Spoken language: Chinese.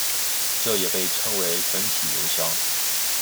这也被称为整体油箱。